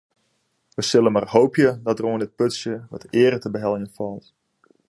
We sille mar hoopje dat der oan dit putsje wat eare te beheljen falt.